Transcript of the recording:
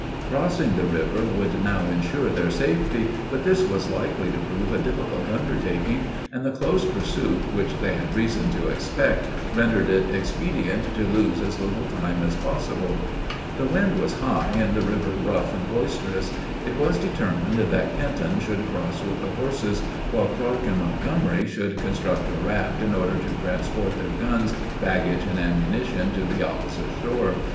Crossing the river would now insure their safety, but this was likely to prove a difficult undertaking, and the close pursuit, which they had reason to expect, rendered it expedient to lose as little time as possible. The wind was high, and the river rough and boisterous. It was determined that Kenton should cross with the horses, while Clark and Montgomery should construct a raft, in order to transport their guns, baggage, and ammunition, to the opposite shore.